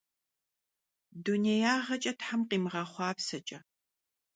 Dunêyağeç'e them khimığexhuapseç'e.